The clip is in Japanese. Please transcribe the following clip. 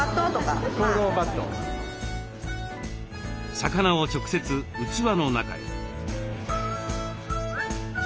魚を直接器の中へ。